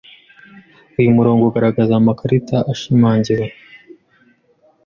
Uyu murongo ugaragaza amakarita ashimangiwe